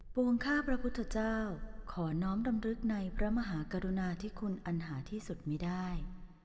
วงข้าพระพุทธเจ้าขอน้อมดำรึกในพระมหากรุณาที่คุณอันหาที่สุดมีได้